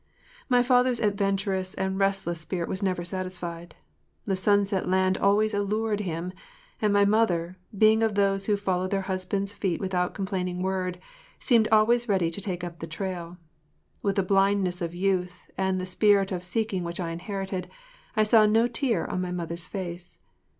My father’s adventurous and restless spirit was never satisfied. The sunset land always allured him, and my mother, being of those who follow their husbands’ feet without complaining word, seemed always ready to take up the trail. With the blindness of youth and the spirit of seeking which I inherited I saw no tear on my mother’s face.